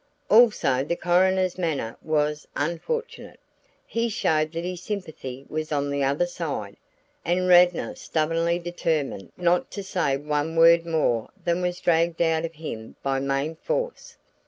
Also, the coroner's manner was unfortunate. He showed that his sympathy was on the other side; and Radnor stubbornly determined not to say one word more than was dragged out of him by main force.